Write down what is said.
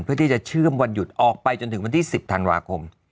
เพื่อที่จะเชื่อมวันหยุดออกไปจนถึงวันที่๑๐ธันวาคม